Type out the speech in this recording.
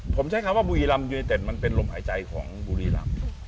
ผมใช้คำว่าบุรีรำยูเนเต็ดมันเป็นลมหายใจของบุรีรำ